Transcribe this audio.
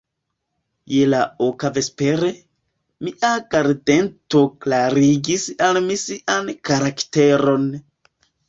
Je la oka vespere, mia gardanto klarigis al mi sian karakteron.